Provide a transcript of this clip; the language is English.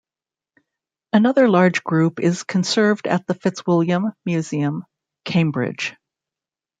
Another large group is conserved at the Fitzwilliam Museum, Cambridge.